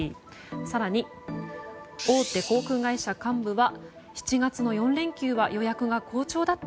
更に、大手航空会社幹部は７月の４連休は予約が好調だった。